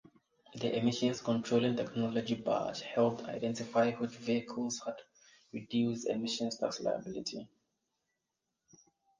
The emissions controlling technology badge helped identify which vehicles had reduced emissions tax liability.